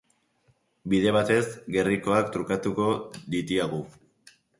Bide batez, gerrikoak trukatuko ditiagu.